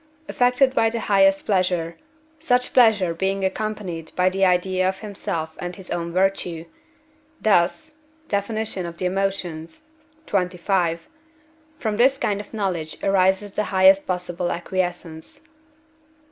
affected by the highest pleasure, such pleasure being accompanied by the idea of himself and his own virtue; thus (Def. of the Emotions, xxv.), from this kind of knowledge arises the highest possible acquiescence.